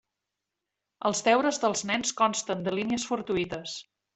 Els deures dels nens consten de línies fortuïtes.